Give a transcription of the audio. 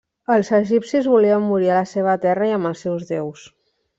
Els egipcis volien morir a la seva terra i amb els seus deus.